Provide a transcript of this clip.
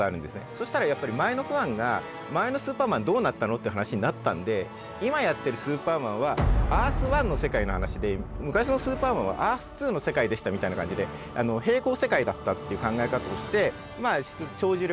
そしたらやっぱり前のファンが前の「スーパーマン」どうなったの？って話になったんで今やってる「スーパーマン」はアース１の世界の話で昔の「スーパーマン」はアース２の世界でしたみたいな感じで並行世界だったっていう考え方をしてまあ帳尻を合わしたんです。